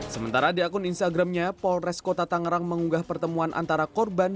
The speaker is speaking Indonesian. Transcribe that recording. sementara di akun instagramnya polres kota tangerang mengunggah pertemuan antara korban